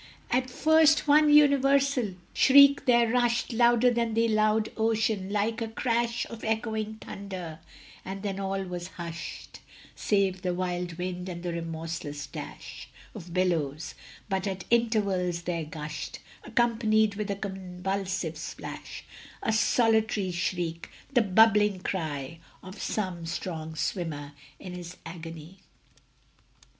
At first one universal shriek there rushed, Louder than the loud ocean, like a crash Of echoing thunder: and then all was hushed, Save the wild wind and the remorseless dash Of billows; but at intervals there gushed, Accompanied with a convulsive splash, A solitary shriek the bubbling cry Of some strong swimmer in his agony.